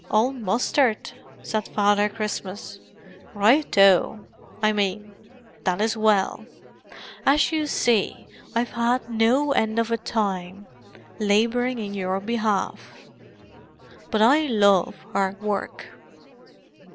"All mustered?" said Father Christmas. "Right oh! I mean, that is well. As you see, I've had no end of a time labouring in your behalf. But I love hard work!"